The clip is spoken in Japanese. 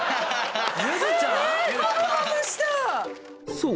［そう。